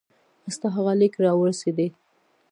ستا هغه لیک را ورسېدی.